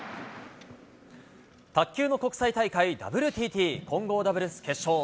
卓球の国際大会、ＷＴＴ混合ダブルス決勝。